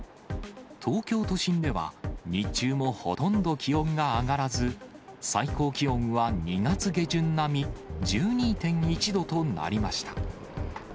東京都心では、日中もほとんど気温が上がらず、最高気温は２月下旬並み、１２．１度となりました。